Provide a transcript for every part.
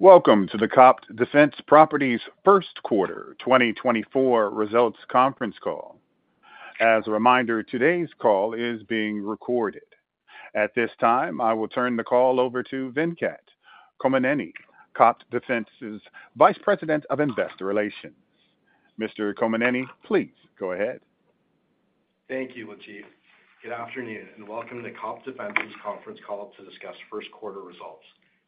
Welcome to the COPT Defense Properties First Quarter 2024 Results Conference Call. As a reminder, today's call is being recorded. At this time, I will turn the call over to Venkat Kommineni, COPT Defense's Vice President of Investor Relations. Mr. Kommineni, please go ahead. Thank you, Lateef. Good afternoon, and welcome to the COPT Defense Properties' conference call to discuss first quarter results.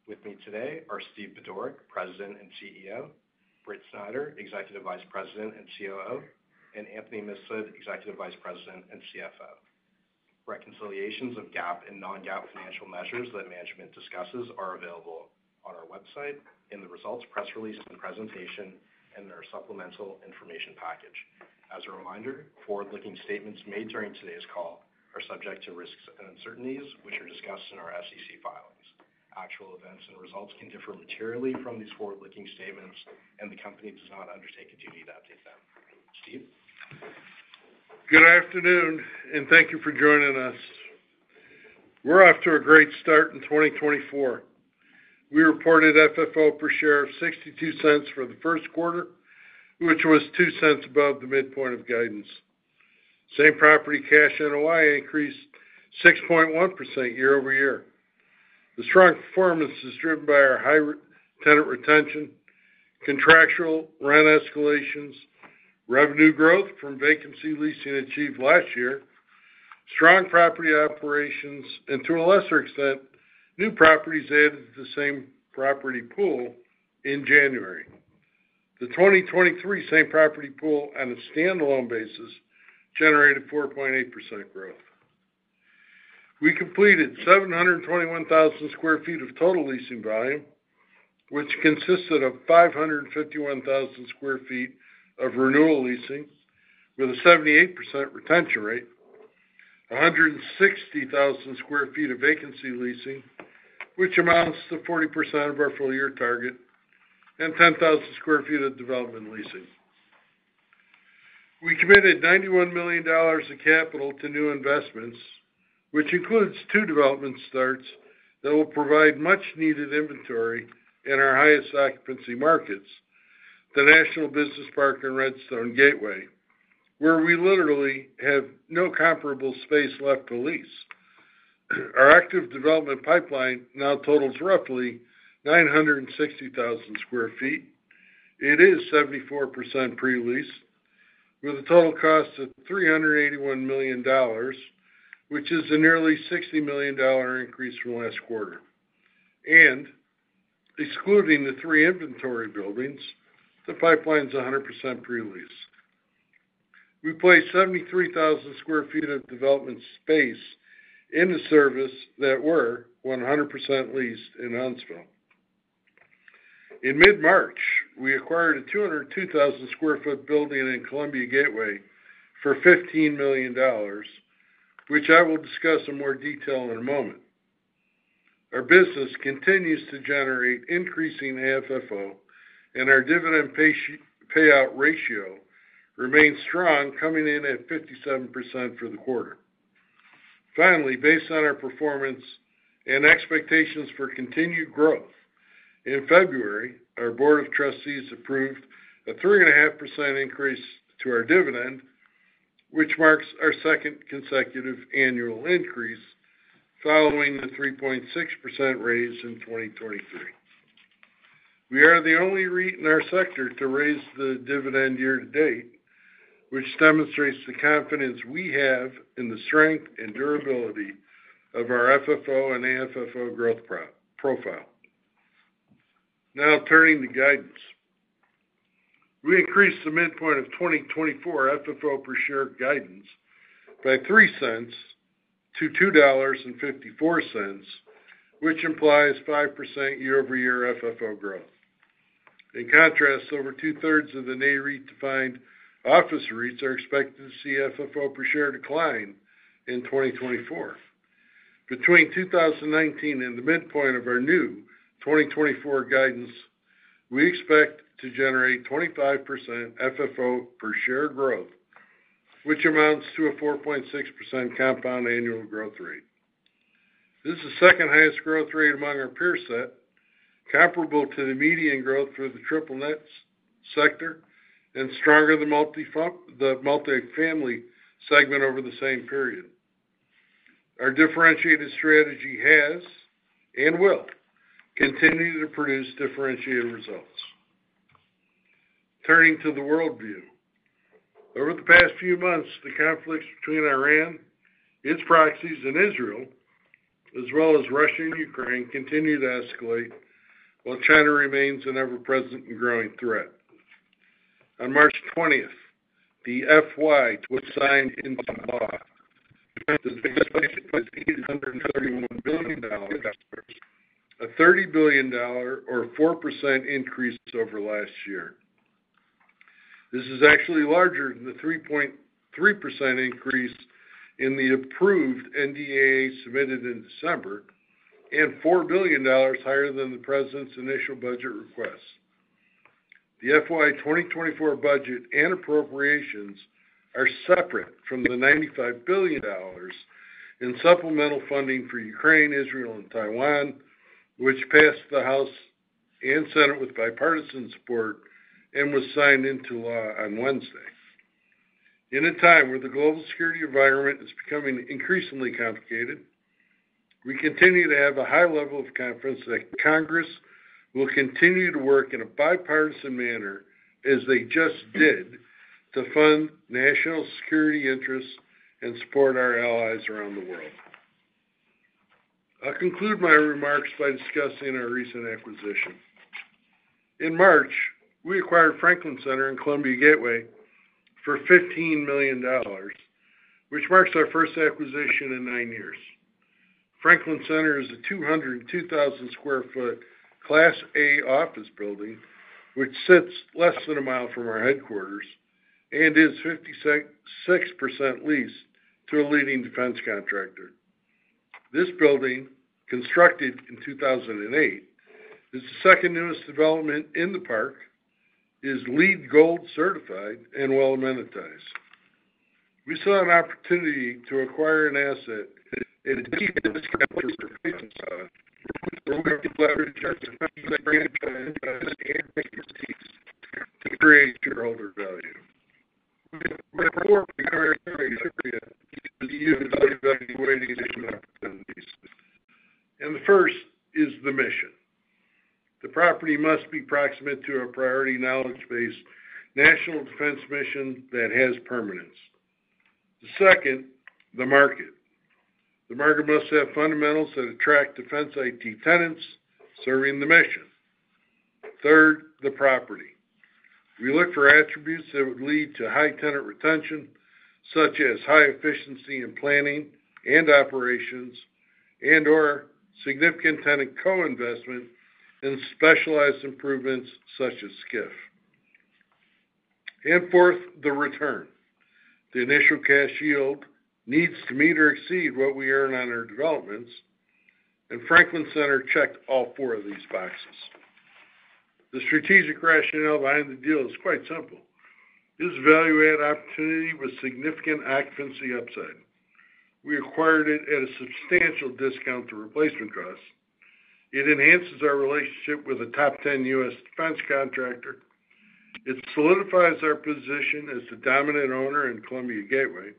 With me today are Steve Budorick, President and CEO, Britt Snider, Executive Vice President and COO, and Anthony Mifsud, Executive Vice President and CFO. Reconciliations of GAAP and non-GAAP financial measures that management discusses are available on our website in the results, press release and presentation, and their supplemental information package. As a reminder, forward-looking statements made during today's call are subject to risks and uncertainties, which are discussed in our SEC filings. Actual events and results can differ materially from these forward-looking statements, and the company does not undertake a duty to update them. Steve? Good afternoon, and thank you for joining us. We're off to a great start in 2024. We reported FFO per share of $0.62 for the first quarter, which was $0.02 above the midpoint of guidance. Same property cash NOI increased 6.1% year-over-year. The strong performance is driven by our high tenant retention, contractual rent escalations, revenue growth from vacancy leasing achieved last year, strong property operations, and to a lesser extent, new properties added to the same property pool in January. The 2023 same property pool on a standalone basis generated 4.8% growth. We completed 721,000 sq ft of total leasing volume, which consisted of 551,000 sq ft of renewal leasing, with a 78% retention rate, 160,000 sq ft of vacancy leasing, which amounts to 40% of our full year target, and 10,000 sq ft of development leasing. We committed $91 million of capital to new investments, which includes two development starts that will provide much needed inventory in our highest occupancy markets, the National Business Park and Redstone Gateway, where we literally have no comparable space left to lease. Our active development pipeline now totals roughly 960,000 sq ft. It is 74% pre-lease, with a total cost of $381 million, which is a nearly $60 million increase from last quarter. Excluding the three inventory buildings, the pipeline is 100% pre-leased. We placed 73,000 sq ft of development space in the service that were 100% leased in Huntsville. In mid-March, we acquired a 202,000 sq ft building in Columbia Gateway for $15 million, which I will discuss in more detail in a moment. Our business continues to generate increasing FFO, and our dividend payout ratio remains strong, coming in at 57% for the quarter. Finally, based on our performance and expectations for continued growth, in February, our board of trustees approved a 3.5% increase to our dividend, which marks our second consecutive annual increase, following the 3.6% raise in 2023. We are the only REIT in our sector to raise the dividend year to date, which demonstrates the confidence we have in the strength and durability of our FFO and AFFO growth profile. Now, turning to guidance. We increased the midpoint of 2024 FFO per share guidance by $0.03 to $2.54, which implies 5% year-over-year FFO growth. In contrast, over 2/3 of the NAREIT defined office REITs are expected to see FFO per share decline in 2024. Between 2019 and the midpoint of our new 2024 guidance, we expect to generate 25% FFO per share growth, which amounts to a 4.6% compound annual growth rate. This is the second highest growth rate among our peer set, comparable to the median growth for the triple nets sector and stronger than the multifamily segment over the same period. Our differentiated strategy has and will continue to produce differentiated results. Turning to the worldview. Over the past few months, the conflicts between Iran, its proxies in Israel, as well as Russia and Ukraine, continue to escalate, while China remains an ever present and growing threat. On March 20th, the FY was signed into law. A $30 billion dollar, or a 4% increase over last year. This is actually larger than the 3.3% increase in the approved NDAA submitted in December and $4 billion higher than the president's initial budget request. The FY 2024 budget and appropriations are separate from the $95 billion in supplemental funding for Ukraine, Israel, and Taiwan, which passed the House and Senate with bipartisan support and was signed into law on Wednesday. In a time where the global security environment is becoming increasingly complicated, we continue to have a high level of confidence that Congress will continue to work in a bipartisan manner, as they just did, to fund national security interests and support our allies around the world. I'll conclude my remarks by discussing our recent acquisition. In March, we acquired Franklin Center in Columbia Gateway for $15 million, which marks our first acquisition in nine years. Franklin Center is a 202,000 sq ft Class A office building, which sits less than a mile from our headquarters and is 56% leased to a leading defense contractor. This building, constructed in 2008, is the second newest development in the park, is LEED Gold certified and well amenitized. We saw an opportunity to acquire an asset at a to create shareholder value. and the first is the mission. The property must be proximate to a priority knowledge base, national defense mission that has permanence. The second, the market. The market must have fundamentals that attract defense IT tenants serving the mission. Third, the property. We look for attributes that would lead to high tenant retention, such as high efficiency in planning and operations, and/or significant tenant co-investment in specialized improvements such as SCIF. And fourth, the return. The initial cash yield needs to meet or exceed what we earn on our developments, and Franklin Center checked all four of these boxes. The strategic rationale behind the deal is quite simple. This value-add opportunity was significant occupancy upside. We acquired it at a substantial discount to replacement cost. It enhances our relationship with a top 10 U.S. defense contractor. It solidifies our position as the dominant owner in Columbia Gateway,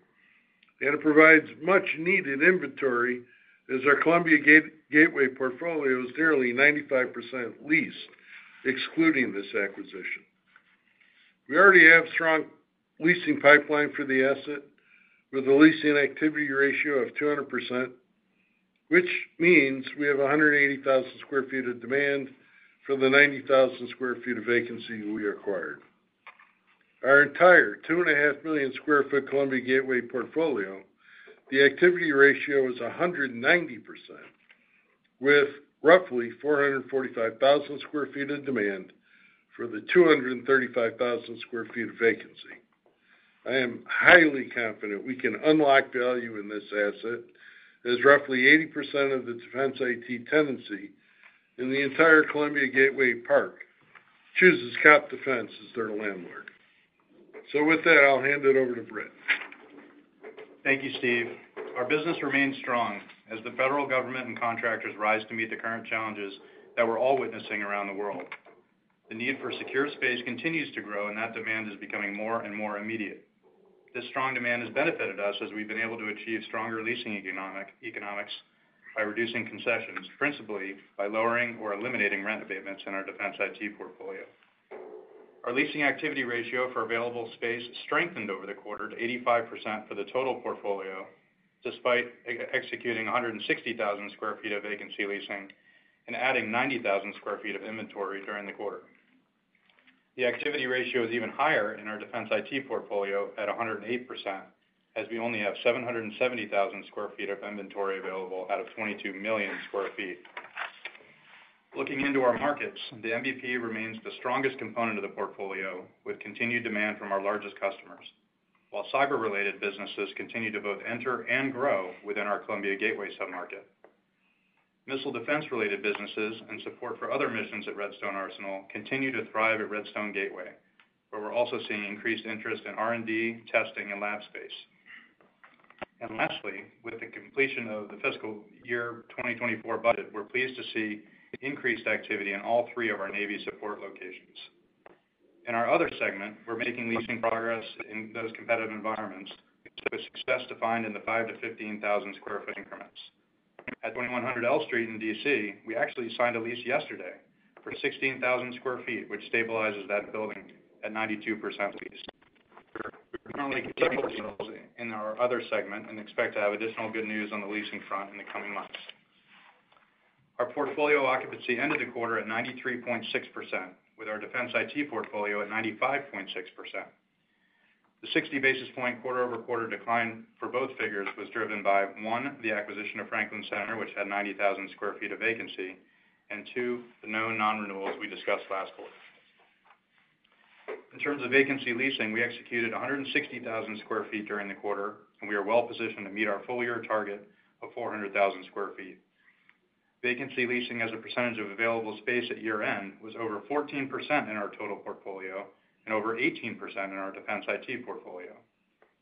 and it provides much needed inventory as our Columbia Gateway portfolio is nearly 95% leased, excluding this acquisition. We already have a strong leasing pipeline for the asset, with a leasing activity ratio of 200%, which means we have 180,000 sq ft of demand for the 90,000 sq ft of vacancy we acquired. Our entire 2.5 million sq ft Columbia Gateway portfolio, the activity ratio is 190%, with roughly 445,000 sq ft of demand for the 235,000 sq ft of vacancy. I am highly confident we can unlock value in this asset, as roughly 80% of the defense IT tenancy in the entire Columbia Gateway chooses COPT Defense as their landlord. With that, I'll hand it over to Britt. Thank you, Steve. Our business remains strong as the federal government and contractors rise to meet the current challenges that we're all witnessing around the world. The need for secure space continues to grow, and that demand is becoming more and more immediate. This strong demand has benefited us as we've been able to achieve stronger leasing economics by reducing concessions, principally by lowering or eliminating rent abatements in our defense IT portfolio. Our leasing activity ratio for available space strengthened over the quarter to 85% for the total portfolio, despite executing 160,000 sq ft of vacancy leasing and adding 90,000 sq ft of inventory during the quarter. The activity ratio is even higher in our Defense IT portfolio at 108%, as we only have 770,000 sq ft of inventory available out of 22 million sq ft. Looking into our markets, the NBP remains the strongest component of the portfolio, with continued demand from our largest customers, while cyber-related businesses continue to both enter and grow within our Columbia Gateway submarket. Missile defense-related businesses and support for other missions at Redstone Arsenal continue to thrive at Redstone Gateway, where we're also seeing increased interest in R&D, testing, and lab space. Lastly, with the completion of the fiscal year 2024 budget, we're pleased to see increased activity in all three of our Navy support locations. In our other segment, we're making leasing progress in those competitive environments, with success defined in the 5,000-15,000 sq ft increments. At 2100 L Street in D.C., we actually signed a lease yesterday for 16,000 sq ft, which stabilizes that building at 92% lease. We are currently in our other segment and expect to have additional good news on the leasing front in the coming months. Our portfolio occupancy ended the quarter at 93.6%, with our defense IT portfolio at 95.6%. The 60 basis points quarter-over-quarter decline for both figures was driven by, one, the acquisition of Franklin Center, which had 90,000 sq ft of vacancy, and two, the known non-renewals we discussed last quarter. In terms of vacancy leasing, we executed 160,000 sq ft during the quarter, and we are well positioned to meet our full year target of 400,000 sq ft. Vacancy leasing as a percentage of available space at year-end was over 14% in our total portfolio and over 18% in our Defense IT portfolio.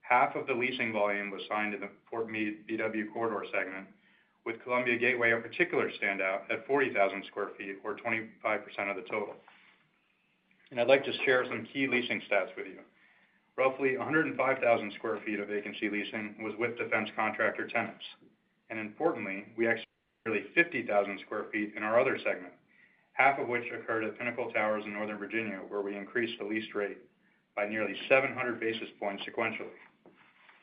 Half of the leasing volume was signed in the Fort Meade/BW Corridor segment, with Columbia Gateway a particular standout at 40,000 sq ft, or 25% of the total. I'd like to share some key leasing stats with you. Roughly 105,000 sq ft of vacancy leasing was with defense contractor tenants. Importantly, we actually fifty thousand square feet in our Other segment, half of which occurred at Pinnacle Towers in Northern Virginia, where we increased the lease rate by nearly 700 basis points sequentially.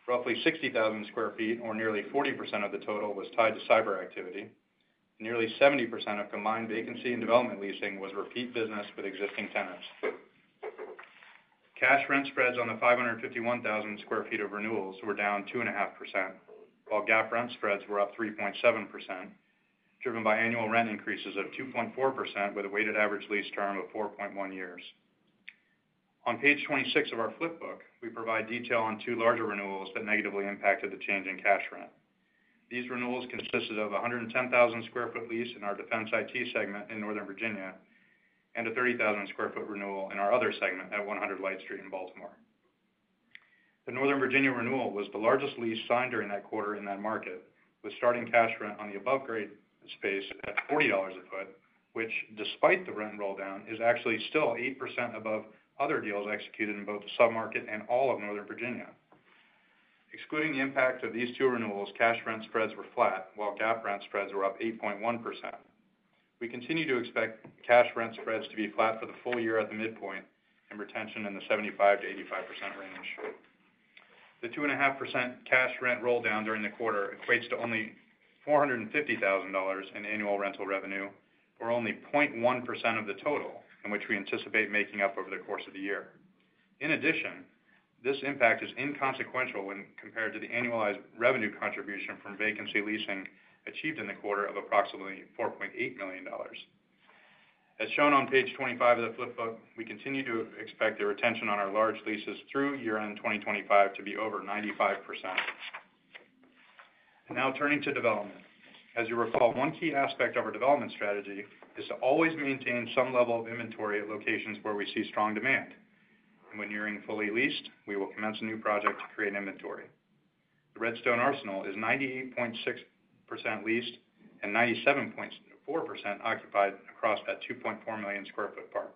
Roughly 60,000 sq ft, or nearly 40% of the total, was tied to cyber activity. Nearly 70% of combined vacancy and development leasing was repeat business with existing tenants. Cash rent spreads on the 551,000 sq ft of renewals were down 2.5%, while GAAP rent spreads were up 3.7%, driven by annual rent increases of 2.4%, with a weighted average lease term of 4.1 years. On page 26 of our flip book, we provide detail on two larger renewals that negatively impacted the change in cash rent. These renewals consisted of a 110,000 sq ft lease in our Defense IT segment in Northern Virginia, and a 30,000 sq ft renewal in our other segment at 100 Light Street in Baltimore. The Northern Virginia renewal was the largest lease signed during that quarter in that market, with starting cash rent on the above grade space at $40 a foot, which, despite the rent roll down, is actually still 8% above other deals executed in both the submarket and all of Northern Virginia. Excluding the impact of these two renewals, cash rent spreads were flat, while GAAP rent spreads were up 8.1%. We continue to expect cash rent spreads to be flat for the full year at the midpoint, and retention in the 75%-85% range. The 2.5% cash rent roll down during the quarter equates to only $450,000 in annual rental revenue, or only 0.1% of the total, in which we anticipate making up over the course of the year. In addition, this impact is inconsequential when compared to the annualized revenue contribution from vacancy leasing achieved in the quarter of approximately $4.8 million. As shown on page 25 of the flip book, we continue to expect the retention on our large leases through year-end 2025 to be over 95%. Now turning to development. As you recall, one key aspect of our development strategy is to always maintain some level of inventory at locations where we see strong demand, and when nearing fully leased, we will commence a new project to create inventory. The Redstone Arsenal is 98.6% leased and 97.4% occupied across that 2.4 million sq ft park.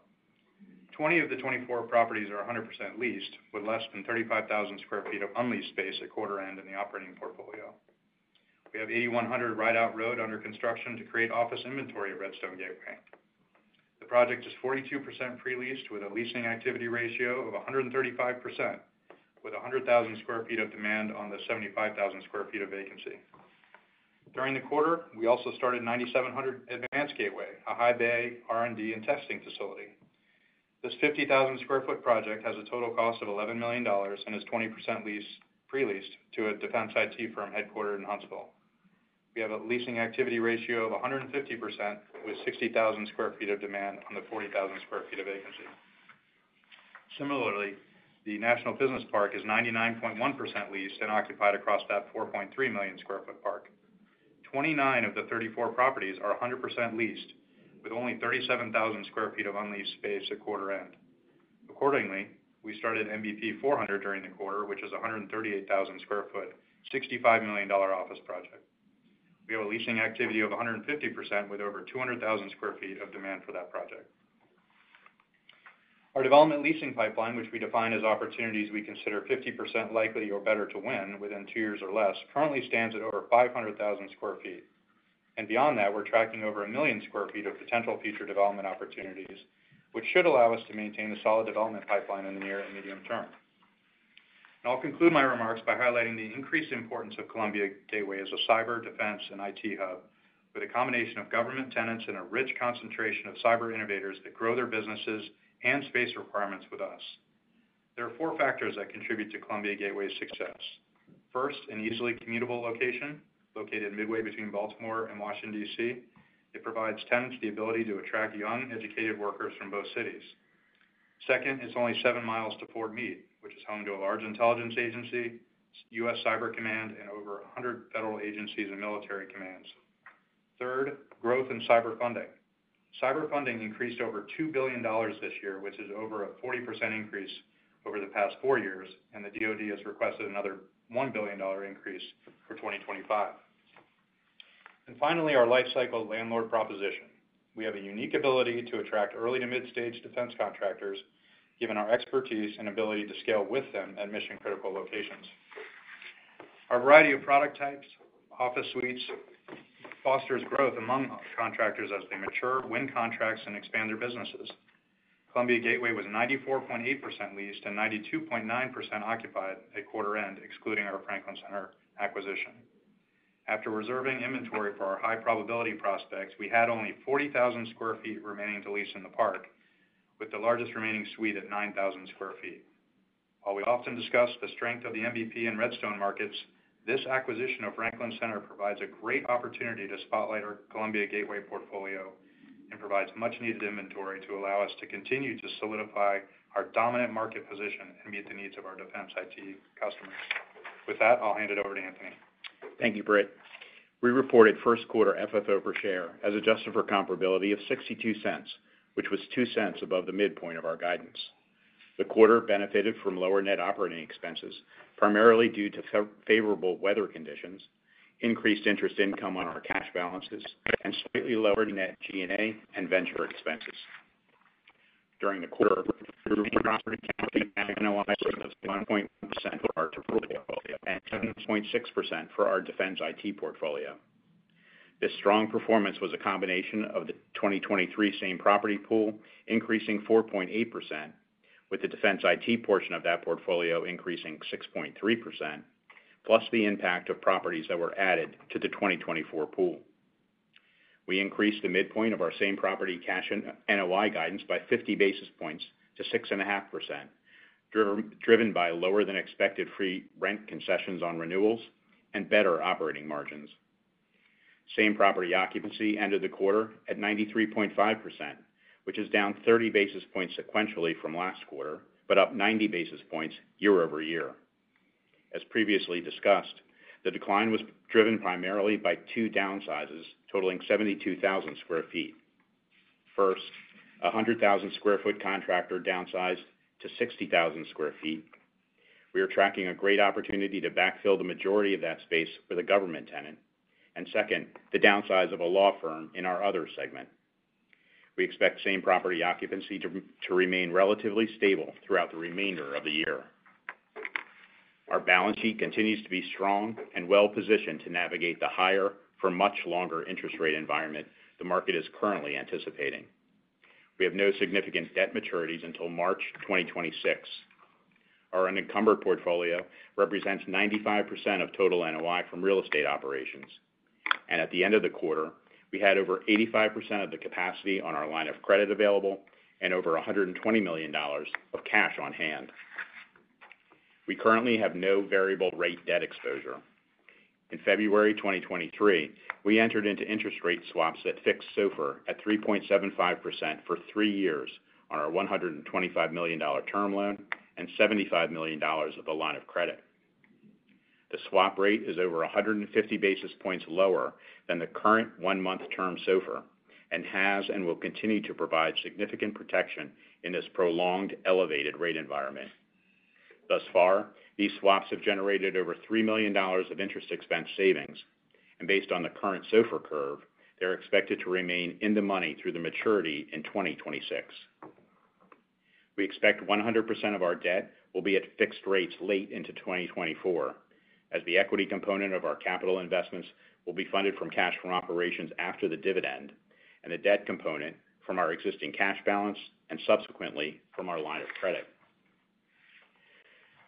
20 of the 24 properties are 100% leased, with less than 35,000 sq ft of unleased space at quarter end in the operating portfolio. We have 8,100 Rideout Road under construction to create office inventory at Redstone Gateway. The project is 42% pre-leased, with a leasing activity ratio of 135%, with 100,000 sq ft of demand on the 75,000 sq ft of vacancy. During the quarter, we also started 9,700 Advanced Gateway, a high bay R&D and testing facility. This 50,000 sq ft project has a total cost of $11 million and is 20% leased, pre-leased to a defense IT firm headquartered in Huntsville. We have a leasing activity ratio of 150%, with 60,000 sq ft of demand on the 40,000 sq ft of vacancy. Similarly, the National Business Park is 99.1% leased and occupied across that 4.3 million sq ft park. 29 of the 34 properties are 100% leased, with only 37,000 sq ft of unleased space at quarter end. Accordingly, we started NBP 400 during the quarter, which is a 138,000 sq ft, $65 million office project. We have a leasing activity of 150%, with over 200,000 sq ft of demand for that project. Our development leasing pipeline, which we define as opportunities we consider 50% likely or better to win within two years or less, currently stands at over 500,000 sq ft. Beyond that, we're tracking over 1 million sq ft of potential future development opportunities, which should allow us to maintain a solid development pipeline in the near and medium term. I'll conclude my remarks by highlighting the increased importance of Columbia Gateway as a cyber, defense, and IT hub, with a combination of government tenants and a rich concentration of cyber innovators that grow their businesses and space requirements with us. There are four factors that contribute to Columbia Gateway's success. First, an easily commutable location. Located midway between Baltimore and Washington, D.C., it provides tenants the ability to attract young, educated workers from both cities. Second, it's only seven miles to Fort Meade, which is home to a large intelligence agency, US Cyber Command, and over 100 federal agencies and military commands. Third, growth in cyber funding. Cyber funding increased over $2 billion this year, which is over a 40% increase over the past four years, and the DoD has requested another $1 billion increase for 2025. And finally, our life cycle landlord proposition. We have a unique ability to attract early to mid-stage defense contractors, given our expertise and ability to scale with them at mission-critical locations. Our variety of product types, office suites, fosters growth among contractors as they mature, win contracts, and expand their businesses. Columbia Gateway was 94.8% leased and 92.9% occupied at quarter end, excluding our Franklin Center acquisition. After reserving inventory for our high probability prospects, we had only 40,000 sq ft remaining to lease in the park, with the largest remaining suite at 9,000 sq ft. While we often discuss the strength of the NBP and Redstone markets, this acquisition of Franklin Center provides a great opportunity to spotlight our Columbia Gateway portfolio and provides much needed inventory to allow us to continue to solidify our dominant market position and meet the needs of our Defense IT customers. With that, I'll hand it over to Anthony. Thank you, Britt. We reported first quarter FFO per share as adjusted for comparability of $0.62, which was $0.02 above the midpoint of our guidance. The quarter benefited from lower net operating expenses, primarily due to favorable weather conditions, increased interest income on our cash balances, and slightly lower net G&A and venture expenses. During the quarter, property NOI was 1% of our portfolio, and 7.6% for our Defense IT portfolio. This strong performance was a combination of the 2023 same property pool, increasing 4.8%, with the Defense IT portion of that portfolio increasing 6.3%, plus the impact of properties that were added to the 2024 pool. We increased the midpoint of our same-property cash NOI guidance by 50 basis points to 6.5%, driven by lower than expected free rent concessions on renewals and better operating margins. Same-property occupancy ended the quarter at 93.5%, which is down 30 basis points sequentially from last quarter, but up 90 basis points year-over-year. As previously discussed, the decline was driven primarily by two downsizes, totaling 72,000 sq ft. First, a 100,000 sq ft contractor downsized to 60,000 sq ft. We are tracking a great opportunity to backfill the majority of that space with a government tenant. And second, the downsize of a law firm in our other segment. We expect same-property occupancy to remain relatively stable throughout the remainder of the year. Our balance sheet continues to be strong and well positioned to navigate the higher for much longer interest rate environment the market is currently anticipating. We have no significant debt maturities until March 2026. Our unencumbered portfolio represents 95% of total NOI from real estate operations. At the end of the quarter, we had over 85% of the capacity on our line of credit available and over $120 million of cash on hand. We currently have no variable rate debt exposure. In February 2023, we entered into interest rate swaps that fixed SOFR at 3.75% for three years on our $125 million term loan and $75 million of the line of credit. The swap rate is over 150 basis points lower than the current one-month term SOFR, and has and will continue to provide significant protection in this prolonged elevated rate environment. Thus far, these swaps have generated over $3 million of interest expense savings, and based on the current SOFR curve, they're expected to remain in the money through the maturity in 2026. We expect 100% of our debt will be at fixed rates late into 2024, as the equity component of our capital investments will be funded from cash from operations after the dividend, and the debt component from our existing cash balance and subsequently from our line of credit.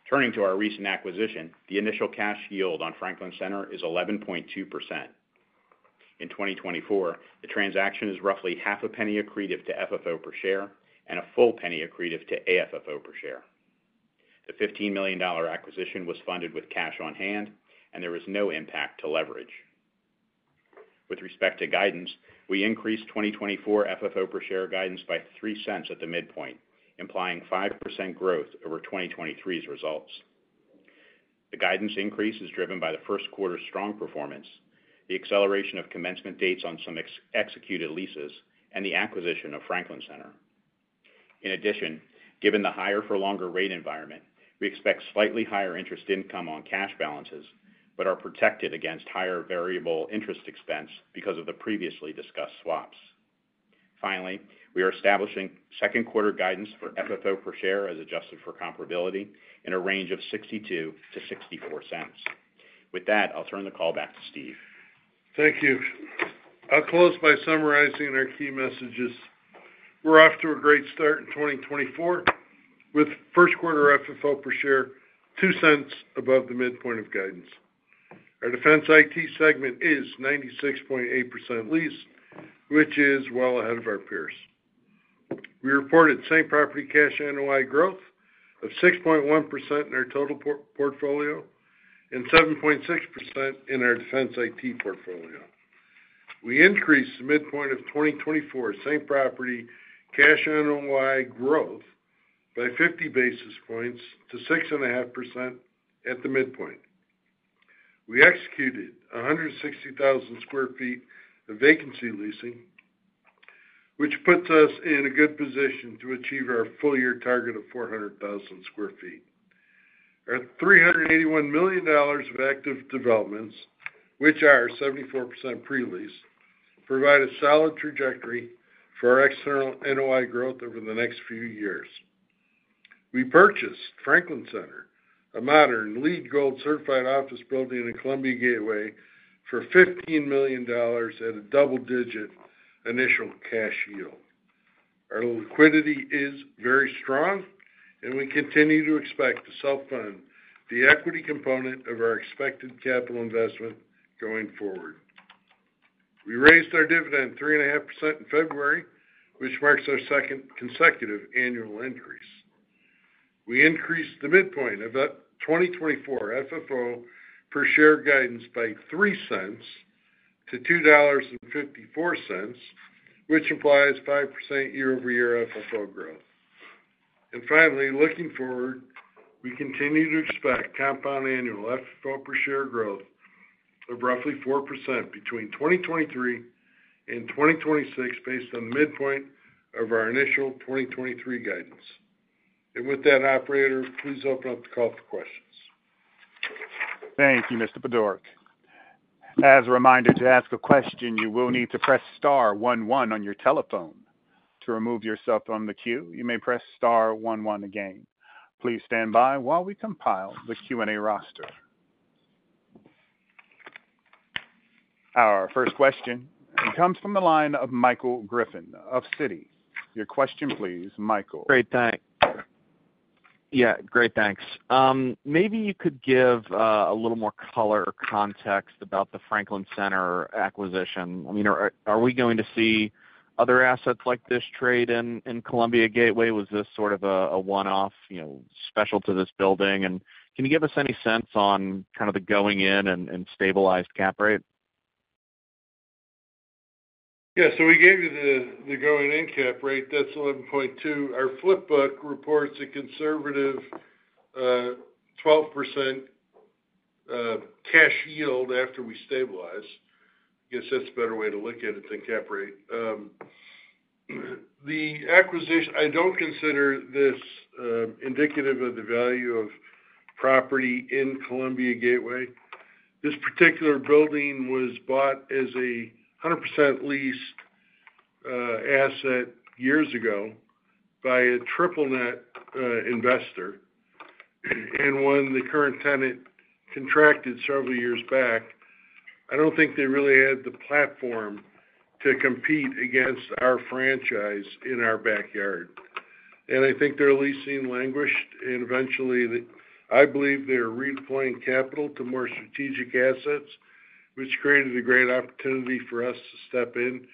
Turning to our recent acquisition, the initial cash yield on Franklin Center is 11.2%. In 2024, the transaction is roughly half a penny accretive to FFO per share and a full penny accretive to AFFO per share. The $15 million acquisition was funded with cash on hand, and there was no impact to leverage. With respect to guidance, we increased 2024 FFO per share guidance by $0.03 at the midpoint, implying 5% growth over 2023's results. The guidance increase is driven by the first quarter's strong performance, the acceleration of commencement dates on some executed leases, and the acquisition of Franklin Center. In addition, given the higher for longer rate environment, we expect slightly higher interest income on cash balances, but are protected against higher variable interest expense because of the previously discussed swaps. Finally, we are establishing second quarter guidance for FFO per share, as adjusted for comparability in a range of $0.62-$0.64. With that, I'll turn the call back to Steve. Thank you. I'll close by summarizing our key messages. We're off to a great start in 2024, with first quarter FFO per share $0.02 above the midpoint of guidance. Our defense IT segment is 96.8% leased, which is well ahead of our peers. We reported same property cash NOI growth of 6.1% in our total portfolio and 7.6% in our defense IT portfolio. We increased the midpoint of 2024 same property cash NOI growth by 50 basis points to 6.5% at the midpoint. We executed 160,000 sq ft of vacancy leasing, which puts us in a good position to achieve our full year target of 400,000 sq ft. Our $381 million of active developments, which are 74% pre-lease, provide a solid trajectory for our external NOI growth over the next few years. We purchased Franklin Center, a modern, LEED Gold certified office building in Columbia Gateway, for $15 million at a double-digit initial cash yield. Our liquidity is very strong, and we continue to expect to self-fund the equity component of our expected capital investment going forward. We raised our dividend 3.5% in February, which marks our second consecutive annual increase. We increased the midpoint of that 2024 FFO per share guidance by $0.03 to $2.54, which implies 5% year-over-year FFO growth. And finally, looking forward, we continue to expect compound annual FFO per share growth of roughly 4% between 2023 and 2026, based on the midpoint of our initial 2023 guidance. And with that, operator, please open up the call for questions. Thank you, Mr. Budorick. As a reminder, to ask a question, you will need to press star one, one on your telephone. To remove yourself from the queue, you may press star one, one again. Please stand by while we compile the Q&A roster. Our first question comes from the line of Michael Griffin of Citi. Your question, please, Michael. Great, thanks. Yeah, great, thanks. Maybe you could give a little more color or context about the Franklin Center acquisition. I mean, are, are we going to see other assets like this trade in, in Columbia Gateway? Was this sort of a, a one-off, you know, special to this building? And can you give us any sense on kind of the going-in and, and stabilized cap rate? Yeah, so we gave you the going-in cap rate. That's 11.2%. Our flip book reports a conservative 12% cash yield after we stabilize. I guess that's a better way to look at it than cap rate. The acquisition—I don't consider this indicative of the value of property in Columbia Gateway. This particular building was bought as a 100% leased asset years ago by a Triple Net investor. And when the current tenant contracted several years back, I don't think they really had the platform to compete against our franchise in our backyard. And I think their leasing languished, and eventually, they. I believe they're redeploying capital to more strategic assets, which created a great opportunity for us to step in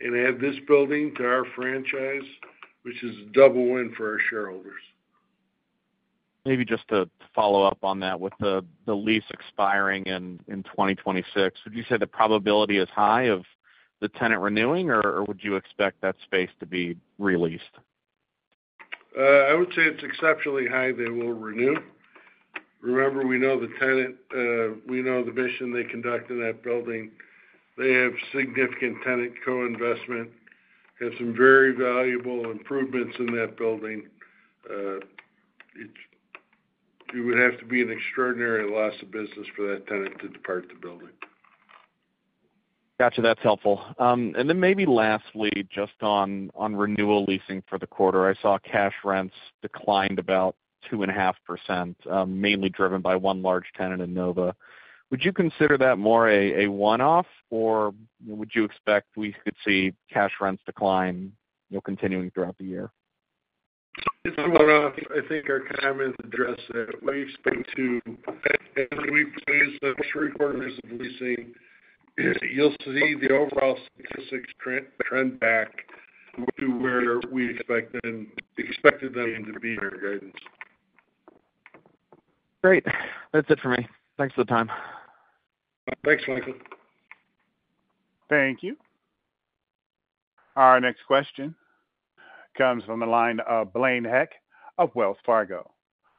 and add this building to our franchise, which is a double win for our shareholders. Maybe just to follow up on that, with the lease expiring in 2026, would you say the probability is high of the tenant renewing, or would you expect that space to be re-leased? I would say it's exceptionally high they will renew. Remember, we know the tenant. We know the mission they conduct in that building. They have significant tenant co-investment, have some very valuable improvements in that building. It would have to be an extraordinary loss of business for that tenant to depart the building. Gotcha, that's helpful. And then maybe lastly, just on renewal leasing for the quarter, I saw cash rents declined about 2.5%, mainly driven by one large tenant in Nova. Would you consider that more a one-off, or would you expect we could see cash rents decline, you know, continuing throughout the year? It's a one-off. I think our comments address that. As we've finished the three quarters of leasing, you'll see the overall statistics trend back to where we expected them to be in our guidance. Great. That's it for me. Thanks for the time. Thanks, Michael. Thank you. Our next question comes from the line of Blaine Heck of Wells Fargo.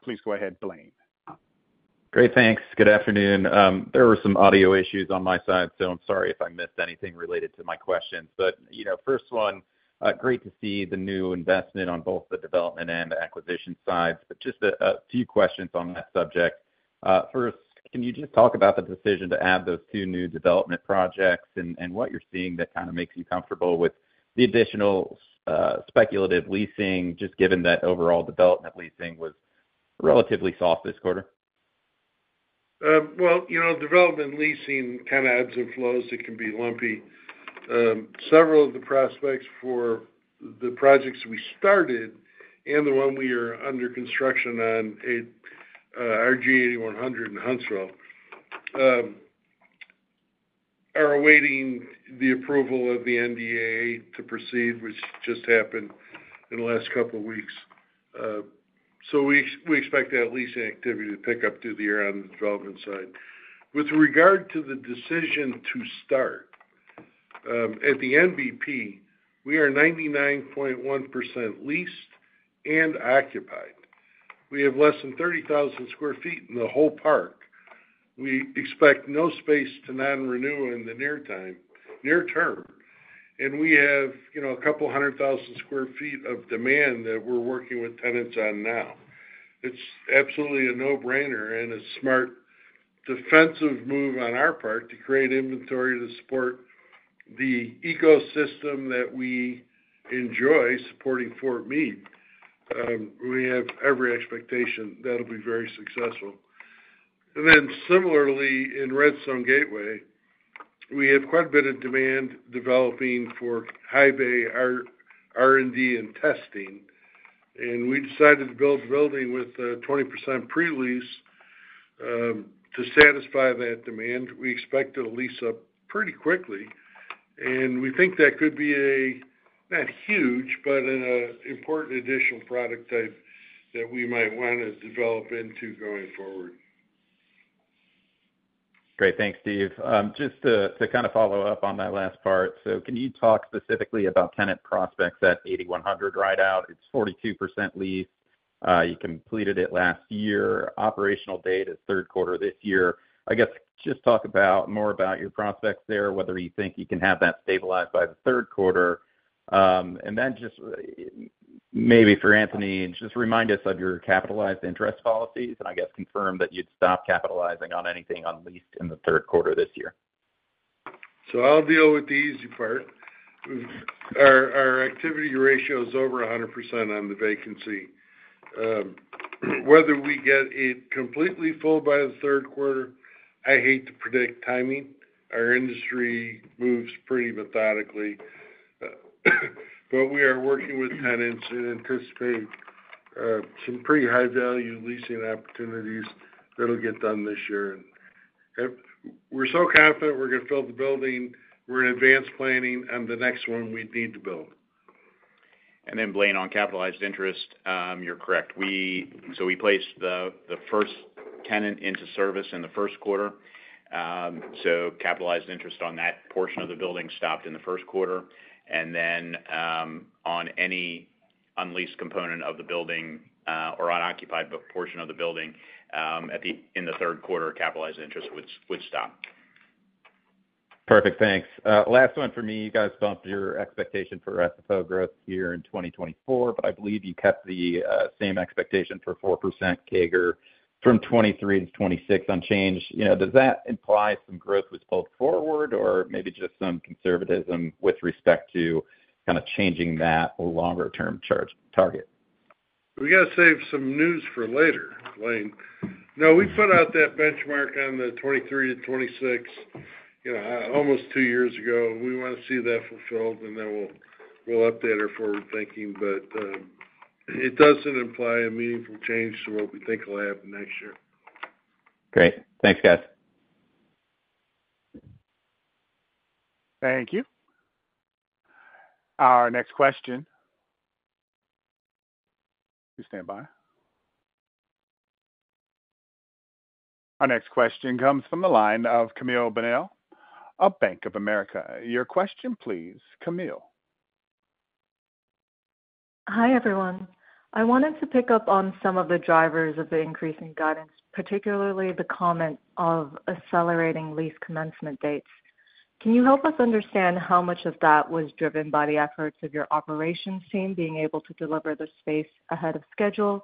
Please go ahead, Blaine. Great, thanks. Good afternoon. There were some audio issues on my side, so I'm sorry if I missed anything related to my questions. But, you know, first one, great to see the new investment on both the development and the acquisition sides. But just a few questions on that subject. First, can you just talk about the decision to add those two new development projects and what you're seeing that kind of makes you comfortable with the additional speculative leasing, just given that overall development leasing was relatively soft this quarter? Well, you know, development leasing kind of ebbs and flows. It can be lumpy. Several of the prospects for the projects we started and the one we are under construction on, RG 8100 in Huntsville, are awaiting the approval of the NDAA to proceed, which just happened in the last couple of weeks. So we expect that leasing activity to pick up through the year on the development side. With regard to the decision to start, at the NBP, we are 99.1% leased and occupied. We have less than 30,000 sq ft in the whole park. We expect no space to non-renew in the near term, and we have, you know, a couple hundred thousand square feet of demand that we're working with tenants on now. It's absolutely a no-brainer and a smart, defensive move on our part to create inventory to support the ecosystem that we enjoy supporting Fort Meade. We have every expectation that'll be very successful. And then similarly, in Redstone Gateway, we have quite a bit of demand developing for high bay R&D and testing, and we decided to build a building with a 20% pre-lease to satisfy that demand, we expect it to lease up pretty quickly. And we think that could be a, not huge, but an important additional product type that we might want to develop into going forward. Great. Thanks, Steve. Just to kind of follow up on that last part. So can you talk specifically about tenant prospects at 8100 Rideout? It's 42% leased. You completed it last year. Operational date is third quarter this year. I guess, just talk about more about your prospects there, whether you think you can have that stabilized by the third quarter. And then just maybe for Anthony, just remind us of your capitalized interest policies, and I guess, confirm that you'd stop capitalizing on anything on leased in the third quarter this year. So I'll deal with the easy part. Our activity ratio is over 100% on the vacancy. Whether we get it completely full by the third quarter, I hate to predict timing. Our industry moves pretty methodically, but we are working with tenants and anticipate some pretty high value leasing opportunities that'll get done this year. If we're so confident we're going to fill the building, we're in advance planning on the next one we need to build. And then, Blaine, on capitalized interest, you're correct. So we placed the first tenant into service in the first quarter. So capitalized interest on that portion of the building stopped in the first quarter. And then, on any unleased component of the building, or unoccupied portion of the building, in the third quarter, capitalized interest would stop. Perfect. Thanks. Last one for me. You guys bumped your expectation for FFO growth year in 2024, but I believe you kept the same expectation for 4% CAGR from 2023 to 2026 unchanged. You know, does that imply some growth was pulled forward or maybe just some conservatism with respect to kind of changing that longer-term target? We got to save some news for later, Blaine. No, we put out that benchmark on the 23-26, you know, almost two years ago. We want to see that fulfilled, and then we'll, we'll update our forward thinking. But, it doesn't imply a meaningful change to what we think will happen next year. Great. Thanks, guys. Thank you. Our next question... Please stand by. Our next question comes from the line of Camille Bonnel of Bank of America. Your question please, Camille. Hi, everyone. I wanted to pick up on some of the drivers of the increasing guidance, particularly the comment of accelerating lease commencement dates. Can you help us understand how much of that was driven by the efforts of your operations team being able to deliver the space ahead of schedule,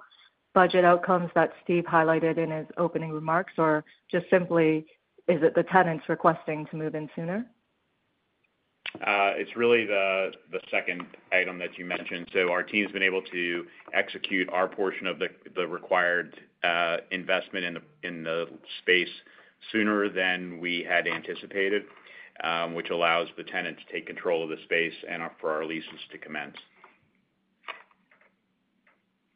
budget outcomes that Steve highlighted in his opening remarks, or just simply, is it the tenants requesting to move in sooner? It's really the second item that you mentioned. So our team's been able to execute our portion of the required investment in the space sooner than we had anticipated, which allows the tenant to take control of the space and for our leases to commence.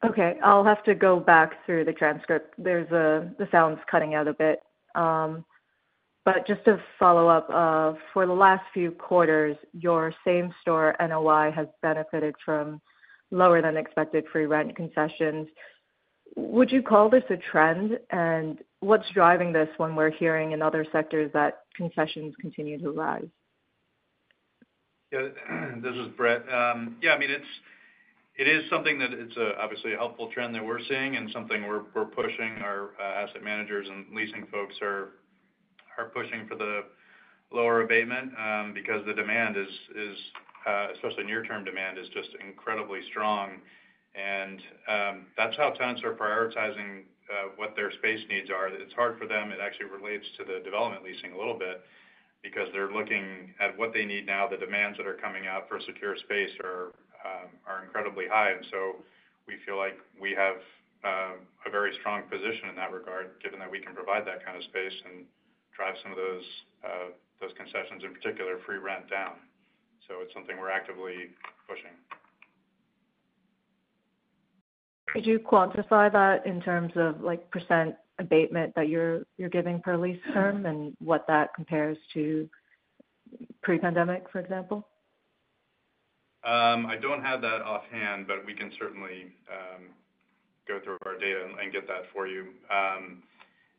Okay. I'll have to go back through the transcript. There's a—the sound's cutting out a bit. But just to follow up, for the last few quarters, your same store NOI has benefited from lower than expected free rent concessions. Would you call this a trend? And what's driving this when we're hearing in other sectors that concessions continue to rise? Yeah, this is Britt. Yeah, I mean, it's it is something that it's obviously a helpful trend that we're seeing and something we're pushing our asset managers and leasing folks are pushing for the lower abatement because the demand is especially near-term demand is just incredibly strong. And that's how tenants are prioritizing what their space needs are. It's hard for them. It actually relates to the development leasing a little bit because they're looking at what they need now. The demands that are coming out for secure space are incredibly high. And so we feel like we have a very strong position in that regard, given that we can provide that kind of space and drive some of those concessions, in particular, free rent down. So it's something we're actively pushing. Could you quantify that in terms of, like, percent abatement that you're giving per lease term, and what that compares to pre-pandemic, for example? I don't have that offhand, but we can certainly go through our data and get that for you.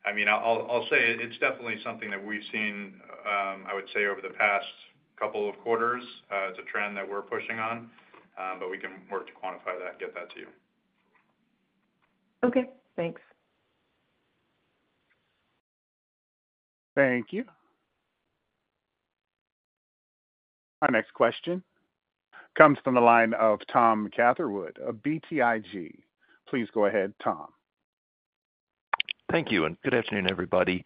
I mean, I'll say it's definitely something that we've seen, I would say, over the past couple of quarters. It's a trend that we're pushing on, but we can work to quantify that and get that to you. Okay, thanks. Thank you. Our next question comes from the line of Tom Catherwood of BTIG. Please go ahead, Tom. Thank you, and good afternoon, everybody.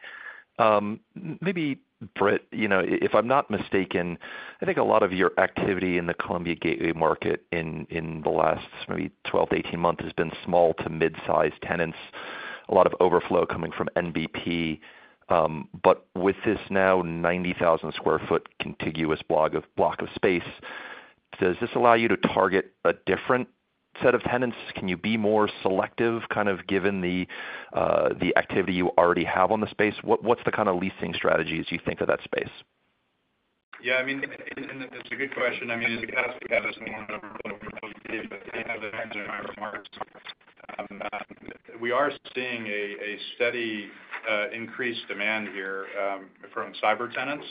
Maybe, Britt, you know, if I'm not mistaken, I think a lot of your activity in the Columbia Gateway market in the last maybe 12-18 months has been small to mid-sized tenants, a lot of overflow coming from NBP. But with this now 90,000 sq ft contiguous block of space, does this allow you to target a different set of tenants? Can you be more selective, kind of given the activity you already have on the space? What's the kind of leasing strategies you think of that space? Yeah, I mean, and it's a good question. I mean, as more and more, but I have in my remarks, we are seeing a steady increased demand here from cyber tenants.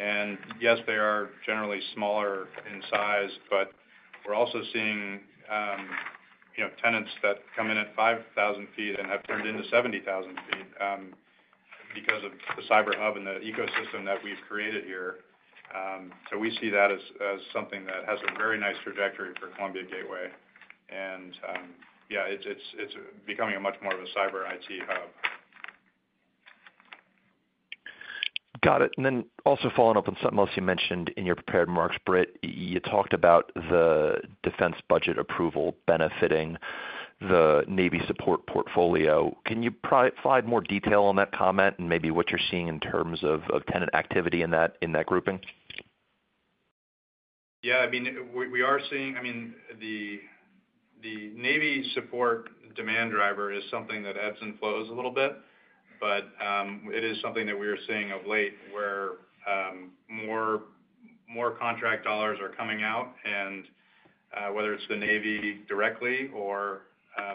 And yes, they are generally smaller in size, but we're also seeing, you know, tenants that come in at 5,000 sq ft and have turned into 70,000 sq ft because of the cyber hub and the ecosystem that we've created here. So we see that as something that has a very nice trajectory for Columbia Gateway. And yeah, it's becoming much more of a cyber IT hub. Got it. And then also following up on something else you mentioned in your prepared remarks, Brit, you talked about the defense budget approval benefiting the Navy support portfolio. Can you provide more detail on that comment and maybe what you're seeing in terms of, of tenant activity in that, in that grouping? Yeah, I mean, we are seeing—I mean, the Navy support demand driver is something that ebbs and flows a little bit, but it is something that we are seeing of late, where more contract dollars are coming out, and whether it's the Navy directly or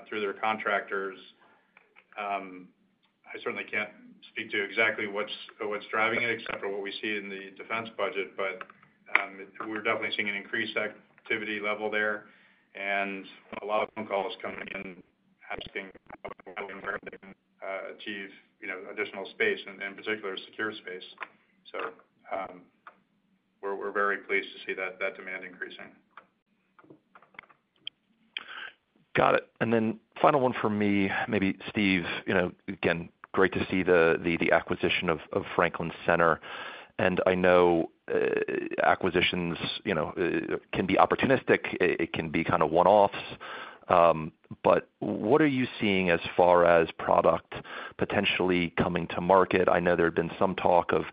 through their contractors, I certainly can't speak to exactly what's driving it except for what we see in the defense budget. But we're definitely seeing an increased activity level there, and a lot of phone calls coming in, asking if we have, you know, additional space, in particular, secure space. So we're very pleased to see that demand increasing. Got it. And then final one for me, maybe Steve, you know, again, great to see the acquisition of Franklin Center, and I know, acquisitions, you know, can be opportunistic, it can be kind of one-offs. But what are you seeing as far as product potentially coming to market? I know there had been some talk of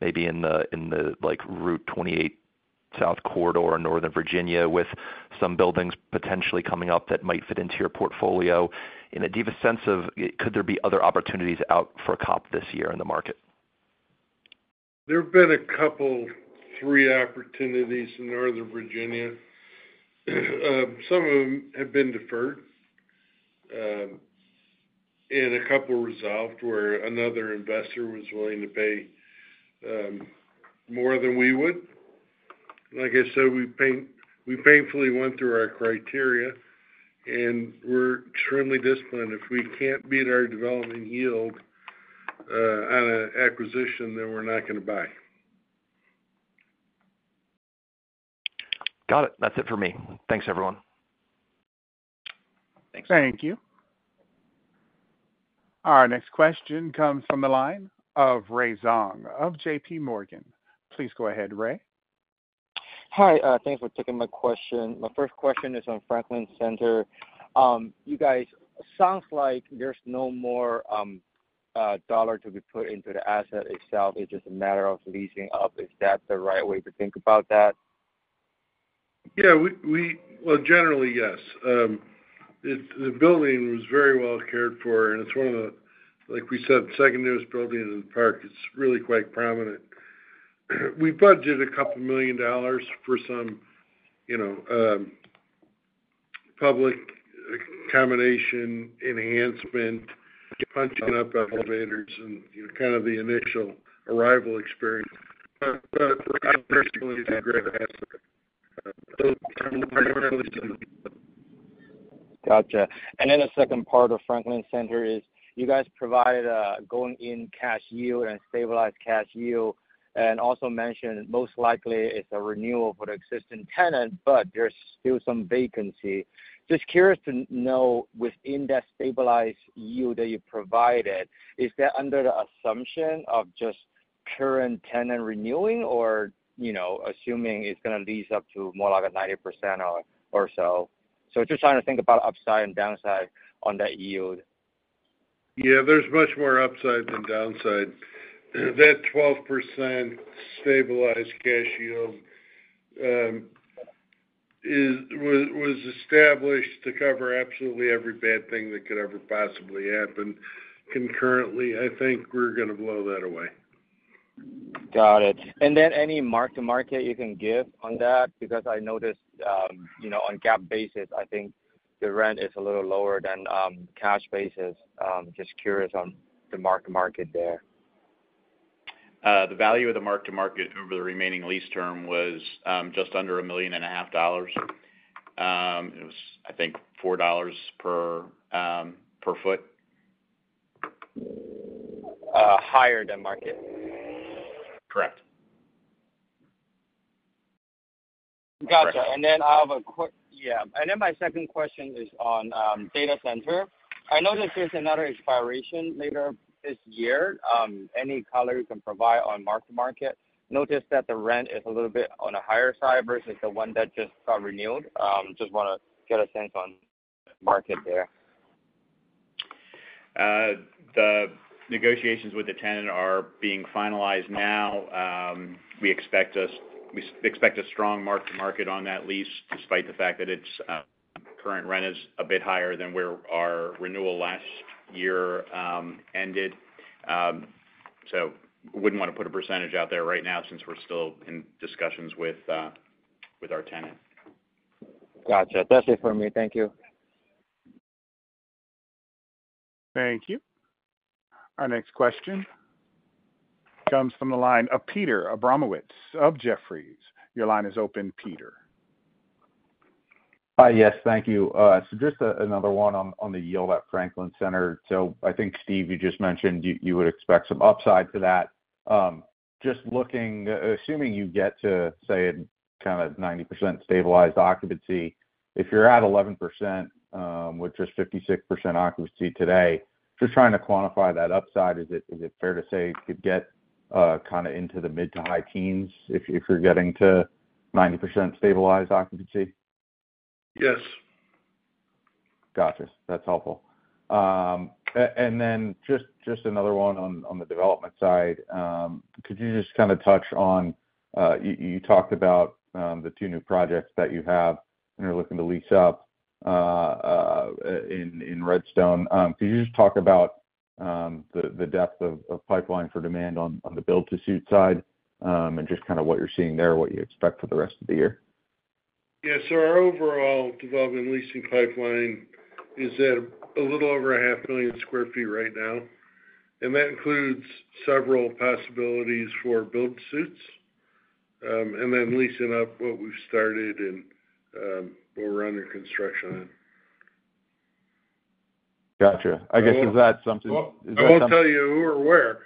maybe in the like Route 28 South Corridor in Northern Virginia, with some buildings potentially coming up that might fit into your portfolio. In a deeper sense of, could there be other opportunities out for COP this year in the market? There have been a couple, three opportunities in Northern Virginia. Some of them have been deferred, and a couple resolved, where another investor was willing to pay more than we would. Like I said, we painfully went through our criteria, and we're extremely disciplined. If we can't beat our development yield on an acquisition, then we're not gonna buy. Got it. That's it for me. Thanks, everyone. Thanks. Thank you. Our next question comes from the line of Ray Zhong of JPMorgan. Please go ahead, Ray. Hi, thanks for taking my question. My first question is on Franklin Center. You guys, sounds like there's no more dollar to be put into the asset itself. It's just a matter of leasing up. Is that the right way to think about that? Yeah, we-- Well, generally, yes. The building was very well cared for, and it's one of the, like we said, second newest building in the park. It's really quite prominent. We budgeted $2 million for some, you know, public accommodation, enhancement, punching up elevators and, you know, kind of the initial arrival experience. But I personally. Gotcha. And then the second part of Franklin Center is, you guys provide a going in cash yield and stabilized cash yield, and also mentioned most likely it's a renewal for the existing tenant, but there's still some vacancy. Just curious to know, within that stabilized yield that you provided, is that under the assumption of just current tenant renewing or, you know, assuming it's gonna lease up to more like a 90% or, or so? So just trying to think about upside and downside on that yield. Yeah, there's much more upside than downside. That 12% stabilized cash yield was established to cover absolutely every bad thing that could ever possibly happen. Concurrently, I think we're gonna blow that away. Got it. And then any mark-to-market you can give on that? Because I noticed, you know, on GAAP basis, I think the rent is a little lower than cash basis. Just curious on the mark-to-market there. The value of the mark-to-market over the remaining lease term was just under $1.5 million. It was, I think, $4 per foot. Higher than market? Correct. Gotcha. Correct. And then my second question is on data center. I noticed there's another expiration later this year. Any color you can provide on mark-to-market? I notice that the rent is a little bit on the higher side versus the one that just got renewed. Just wanna get a sense on market there. The negotiations with the tenant are being finalized now. We expect a strong mark-to-market on that lease, despite the fact that its current rent is a bit higher than where our renewal last year ended. So wouldn't wanna put a percentage out there right now since we're still in discussions with our tenant. Gotcha. That's it for me. Thank you. Thank you. Our next question comes from the line of Peter Abramowitz of Jefferies. Your line is open, Peter. Yes, thank you. So just another one on the yield at Franklin Center. So I think, Steve, you just mentioned you would expect some upside to that. Just looking... Assuming you get to, say, kind of 90% stabilized occupancy, if you're at 11%, which is 56% occupancy today, just trying to quantify that upside, is it fair to say you could get kinda into the mid to high teens if you're getting to 90% stabilized occupancy? Yes. Gotcha. That's helpful. And then just another one on the development side. Could you just kind of touch on you talked about the two new projects that you have and are looking to lease up in Redstone. Could you just talk about the depth of pipeline for demand on the build-to-suit side, and just kind of what you're seeing there, what you expect for the rest of the year? Yeah. So our overall development leasing pipeline is at a little over 500,000 sq ft right now, and that includes several possibilities for build-to-suits, and then leasing up what we've started and what we're under construction in. Gotcha. I guess, is that something? I won't tell you who or where.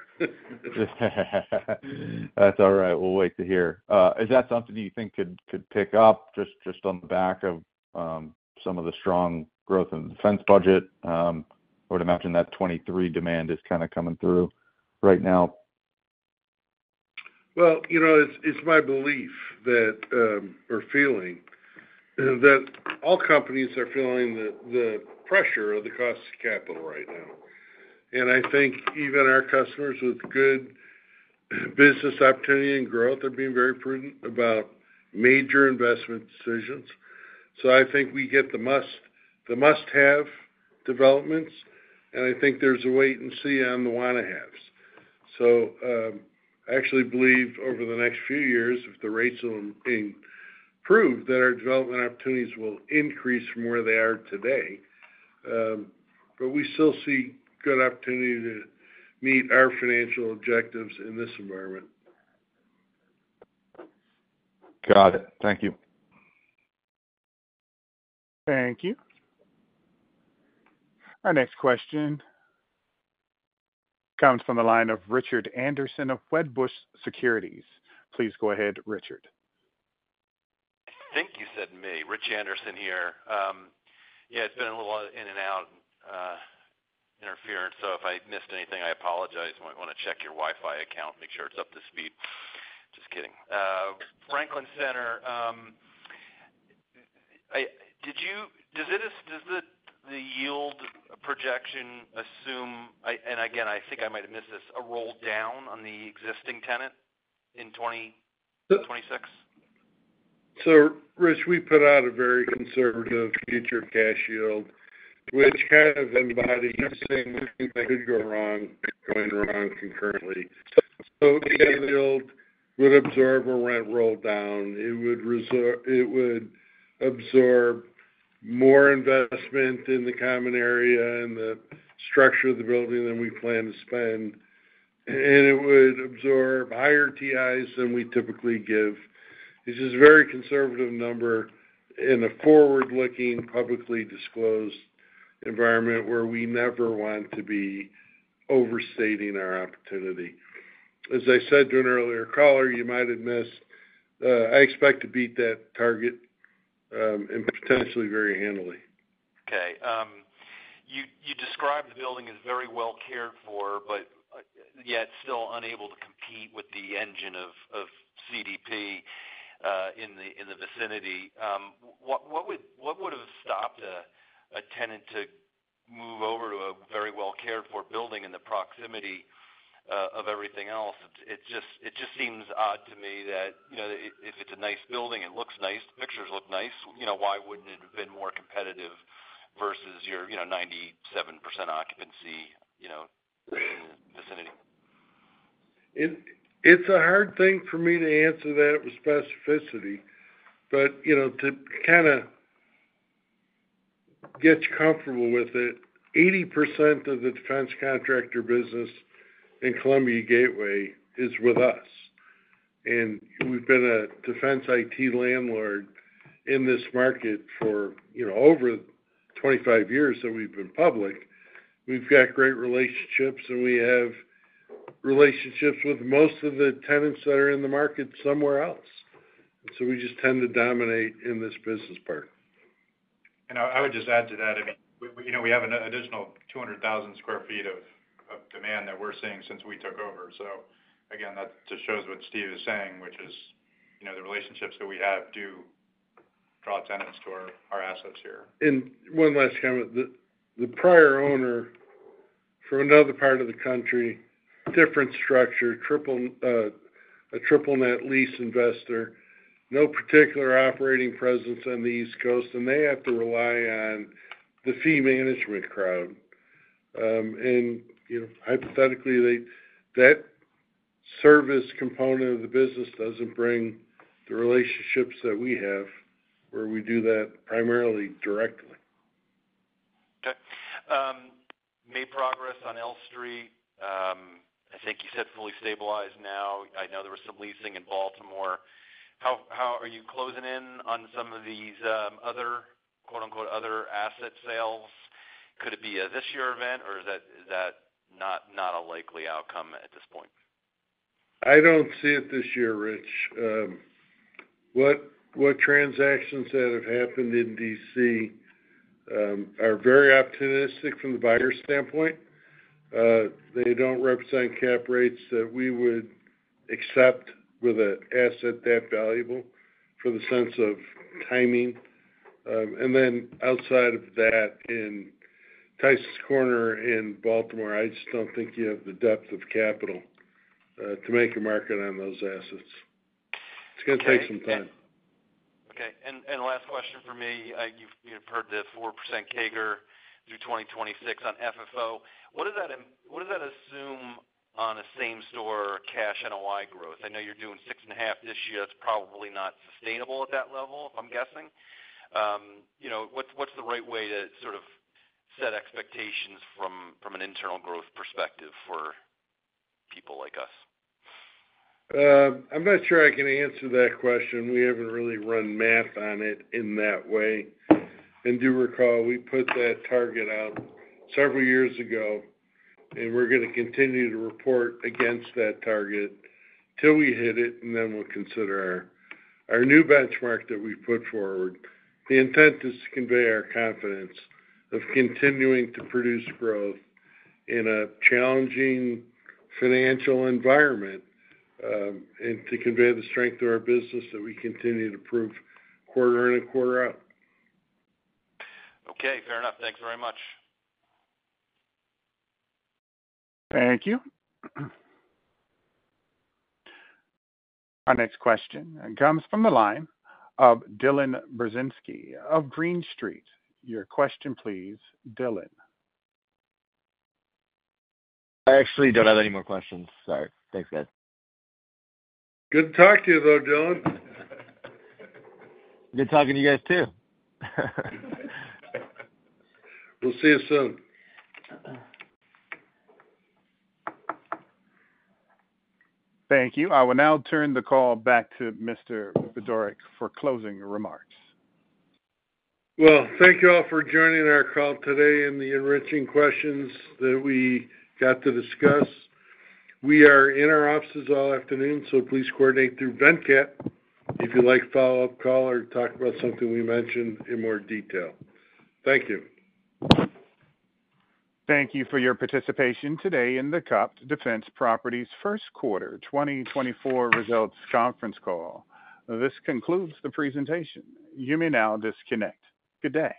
That's all right. We'll wait to hear. Is that something you think could pick up just on the back of some of the strong growth in the defense budget? I would imagine that 2023 demand is kind of coming through right now. Well, you know, it's my belief that, or feeling, that all companies are feeling the pressure of the cost of capital right now. And I think even our customers with good business opportunity and growth are being very prudent about major investment decisions. So I think we get the must-have developments, and I think there's a wait and see on the wanna-haves. So, I actually believe over the next few years, if the rates are being proved, that our development opportunities will increase from where they are today. But we still see good opportunity to meet our financial objectives in this environment. Got it. Thank you. Thank you. Our next question comes from the line of Richard Anderson of Wedbush Securities. Please go ahead, Richard. I think you said me. Rich Anderson here. Yeah, it's been a little in and out, interference, so if I missed anything, I apologize. You might wanna check your Wi-Fi account, make sure it's up to speed. Just kidding. Franklin Center, does the yield projection assume? I... Again, I think I might have missed this, a roll down on the existing tenant in 2026? So Rich, we put out a very conservative future cash yield, which kind of embodies anything that could go wrong, going wrong concurrently. So the yield would absorb a rent roll down. It would absorb more investment in the common area and the structure of the building than we plan to spend, and it would absorb higher TIs than we typically give. This is a very conservative number in a forward-looking, publicly disclosed environment, where we never want to be overstating our opportunity. As I said to an earlier caller, you might have missed, I expect to beat that target, and potentially very handily. Okay. You, you described the building as very well cared for, but, yet still unable to compete with the engine of, of CDP, in the, in the vicinity. What, what would, what would have stopped a, a tenant to move over to a very well-cared-for building in the proximity, of everything else? It just, it just seems odd to me that, you know, if, if it's a nice building, it looks nice, the pictures look nice, you know, why wouldn't it have been more competitive versus your, you know, 97% occupancy, you know, vicinity? It's a hard thing for me to answer that with specificity, but, you know, to kinda get you comfortable with it, 80% of the defense contractor business in Columbia Gateway is with us, and we've been a defense IT landlord in this market for, you know, over 25 years, so we've been public. We've got great relationships, and we have relationships with most of the tenants that are in the market somewhere else. So we just tend to dominate in this business part. I would just add to that, I mean, you know, we have an additional 200,000 sq ft we're seeing since we took over. So again, that just shows what Steve is saying, which is, you know, the relationships that we have do draw tenants to our assets here. And one last comment. The prior owner from another part of the country, different structure, a triple net lease investor, no particular operating presence on the East Coast, and they have to rely on the fee management crowd. And, you know, hypothetically, they, that service component of the business doesn't bring the relationships that we have, where we do that primarily directly. Okay. Made progress on L Street. I think you said fully stabilized now. I know there was some leasing in Baltimore. How are you closing in on some of these other, quote, unquote, "other asset sales"? Could it be a this year event, or is that not a likely outcome at this point? I don't see it this year, Rich. What transactions that have happened in DC are very optimistic from the buyer's standpoint. They don't represent cap rates that we would accept with a asset that valuable for the sense of timing. And then outside of that, in Tysons Corner in Baltimore, I just don't think you have the depth of capital to make a market on those assets. It's gonna take some time. Okay. Last question for me. You've heard the 4% CAGR through 2026 on FFO. What does that assume on a same-store cash NOI growth? I know you're doing 6.5% this year. That's probably not sustainable at that level, I'm guessing. You know, what's the right way to sort of set expectations from an internal growth perspective for people like us? I'm not sure I can answer that question. We haven't really run math on it in that way. And do you recall, we put that target out several years ago, and we're gonna continue to report against that target till we hit it, and then we'll consider our... Our new benchmark that we've put forward, the intent is to convey our confidence of continuing to produce growth in a challenging financial environment, and to convey the strength of our business that we continue to prove quarter in and quarter out. Okay. Fair enough. Thanks very much. Thank you. Our next question comes from the line of Dylan Burzinski of Green Street. Your question, please, Dylan. I actually don't have any more questions. Sorry. Thanks, guys. Good to talk to you, though, Dylan. Good talking to you guys, too. We'll see you soon. Thank you. I will now turn the call back to Mr. Budorick for closing remarks. Well, thank you all for joining our call today and the enriching questions that we got to discuss. We are in our offices all afternoon, so please coordinate through Venkat if you'd like follow-up call or talk about something we mentioned in more detail. Thank you. Thank you for your participation today in the COPT Defense Properties First Quarter 2024 Results Conference Call. This concludes the presentation. You may now disconnect. Good day.